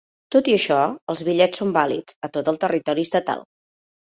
Tot i això, els bitllets són vàlids a tot el territori estatal.